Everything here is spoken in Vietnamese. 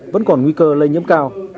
vẫn còn nguy cơ lây nhiễm cao